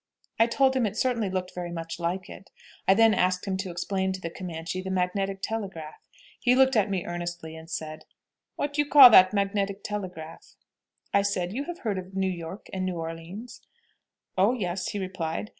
I told him it certainly looked very much like it. I then asked him to explain to the Comanche the magnetic telegraph. He looked at me earnestly, and said, "What you call that magnetic telegraph?" I said, "you have heard of New York and New Orleans?" "Oh yes," he replied.